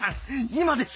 今ですよ。